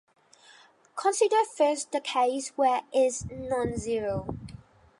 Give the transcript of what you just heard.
Consider first the case where is nonzero.